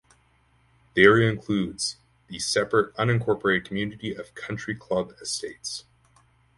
The area includes the separate unincorporated community of Country Club Estates.